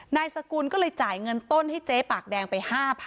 นายสกุลก็เลยจ่ายเงินต้นให้เจ๊ปากแดงไป๕๐๐๐